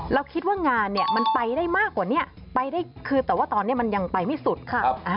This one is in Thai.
แล้วคิดว่างานเนี่ยมันไปได้มากกว่านี้ไปได้คือแต่ว่าตอนนี้มันยังไปไม่สุดค่ะ